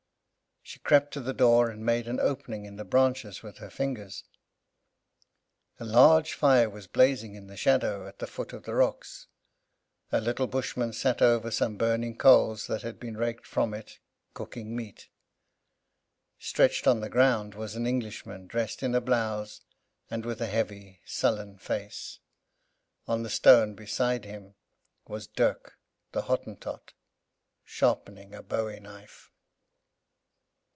She crept to the door and made an opening in the branches with her fingers. A large fire was blazing in the shadow, at the foot of the rocks. A little Bushman sat over some burning coals that had been raked from it, cooking meat. Stretched on the ground was an Englishman, dressed in a blouse, and with a heavy, sullen face. On the stone beside him was Dirk, the Hottentot, sharpening a bowie knife.